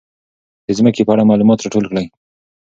د ځمکې په اړه معلومات راټول کړئ.